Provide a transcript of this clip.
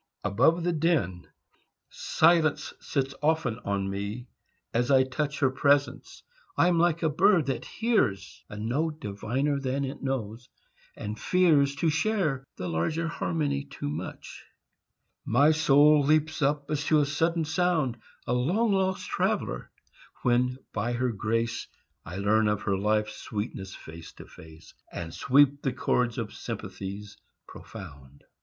ABOVE THE DIN Silence sits often on me as I touch Her presence; I am like a bird that hears A note diviner than it knows, and fears To share the larger harmony too much. My soul leaps up, as to a sudden sound A long lost traveller, when, by her grace, I learn of her life's sweetness face to face, And sweep the chords of sympathies profound.